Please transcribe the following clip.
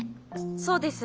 そうです。